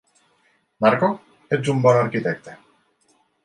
Marco, ets un bon arquitecte.